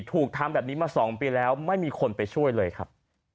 ถูกทำแบบนี้มา๒ปีแล้วไม่มีคนไปช่วยเลยครับ